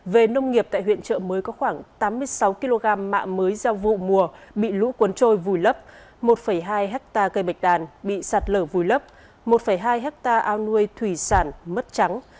về nông nghiệp tại huyện chợ mới có khoảng tám mươi sáu kg mạng mới giao vụ mùa bị lũ cuốn trôi vùi lấp một hai ha cây bạch đàn bị sạt lờ vùi lấp một hai ha ao nuôi thủy sản mất trắng